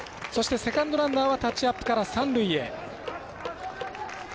セカンドランナーはタッチアップから三塁へ。